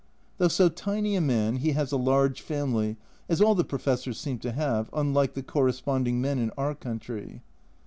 Though so tiny a man, he has a large family, as all the Professors seem to have, unlike the corresponding men in our country.